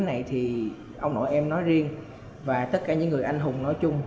này thì ông nội em nói riêng và tất cả những người anh hùng nói chung